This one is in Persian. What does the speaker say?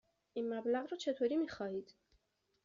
این مبلغ را چطوری می خواهید؟